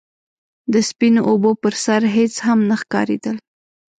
د سپينو اوبو پر سر هيڅ هم نه ښکارېدل.